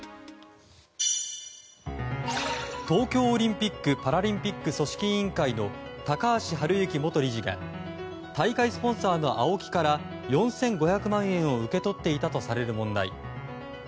東京オリンピック・パラリンピック組織委員会の高橋治之元理事が大会スポンサーのＡＯＫＩから４５００万円を受け取っていたとされる問題。